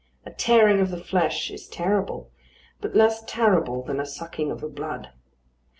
A tearing of the flesh is terrible, but less terrible than a sucking of the blood.